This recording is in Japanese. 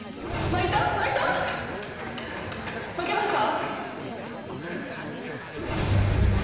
まけました？